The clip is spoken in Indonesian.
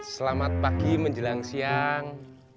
selamat pagi menjelang siang